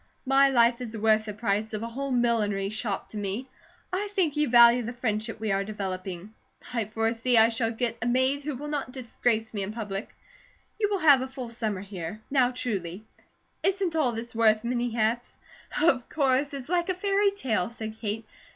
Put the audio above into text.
My life is worth the price of a whole millinery shop to me; I think you value the friendship we are developing; I foresee I shall get a maid who will not disgrace my in public; you will have a full summer here; now truly, isn't all this worth many hats?" "Of course! It's like a fairy tale," said Kate.